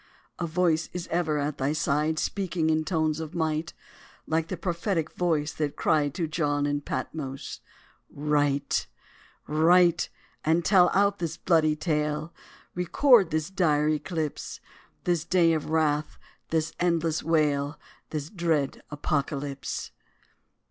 A voice is ever at thy side Speaking in tones of might, Like the prophetic voice, that cried To John in Patmos, "Write!" Write! and tell out this bloody tale; Record this dire eclipse, This Day of Wrath, this Endless Wail, This dread Apocalypse!